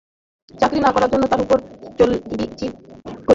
চাকরি না করার জন্য তার উপর চিল্লাচিল্লি করেছিল।